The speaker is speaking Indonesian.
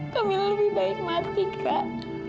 kami lebih baik mati kak